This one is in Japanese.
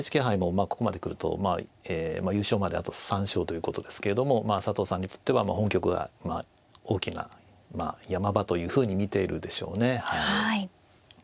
ＮＨＫ杯もここまで来ると優勝まであと３勝ということですけれども佐藤さんにとっては本局が大きな山場というふうに見ているでしょうねはい。